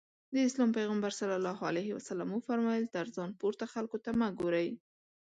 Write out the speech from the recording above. د اسلام پيغمبر ص وفرمايل تر ځان پورته خلکو ته مه ګورئ.